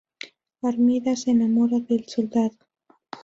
Armida se enamora del soldado.